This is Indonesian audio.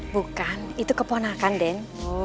bukan itu keponakan den